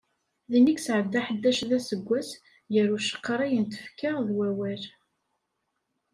Din i yesɛedda ḥdac d aseggas, gar ucqerri n tfekka d wawal.